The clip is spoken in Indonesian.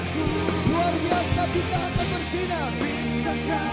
tolong nyalakan lampu please ya